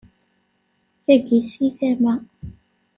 Tagi si tama.